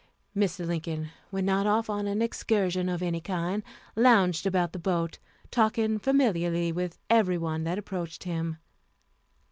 Mr. Lincoln, when not off on an excursion of any kind, lounged about the boat, talking familiarly with every one that approached him.